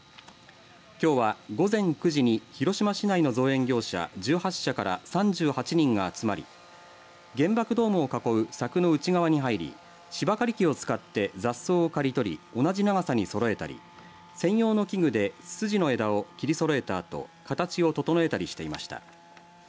きょうは午前９時に広島市内の造園業者１８社から３８人が集まり原爆ドームを囲う柵の内側に入り芝刈り機を使って雑草を刈り取り同じ長さにそろえたり専用の器具でツツジの枝を切りそろえたあと形を整えたりしていました。